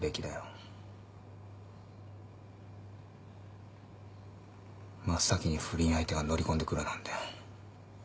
真っ先に不倫相手が乗り込んでくるなんて。